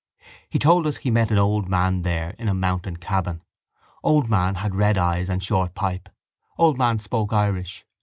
He told us he met an old man there in a mountain cabin. Old man had red eyes and short pipe. Old man spoke Irish.